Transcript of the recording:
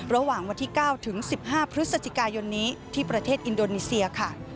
ระหว่างวันที่๙ถึง๑๕พฤศจิกายนนี้ที่ประเทศอินโดนีเซียค่ะ